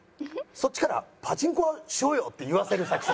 そっちからパチンコしようよって言わせる作戦です。